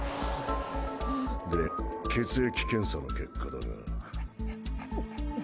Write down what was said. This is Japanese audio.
で、血液検査の結果だが。